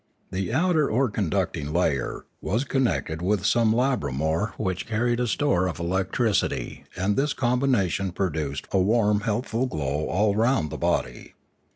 The outer or conducting layer was connected with some labraraor which carried a stoFe of electricity and this combination produced a warm, healthful glow all round the body.